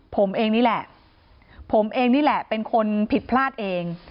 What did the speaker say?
ผมเองนี่แหละผมเองนี่แหละเป็นคนผิดพลาดเอง